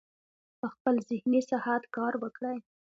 پۀ خپل ذهني صحت کار وکړي -